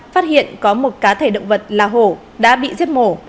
phát hiện có một cá thể động vật là hổ đã bị giết mổ